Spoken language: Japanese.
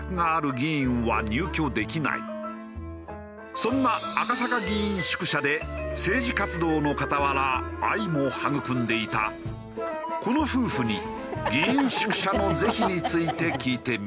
そんな赤坂議員宿舎で政治活動の傍ら愛も育んでいたこの夫婦に議員宿舎の是非について聞いてみた。